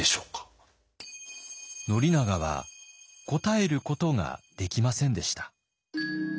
宣長は答えることができませんでした。